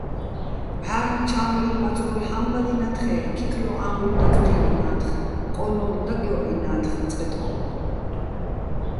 მჺარ'ლ ჩა́მლიჼ მაწროლ ჰამბადინათხე́ ქიქლუჼ ამბუჲ დაკჴი́ლნათხ, ყო́ნოლ დაკჲო́ჸინათხ წყე ტყო́ჸ.